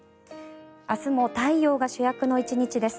明日も太陽が主役の１日です。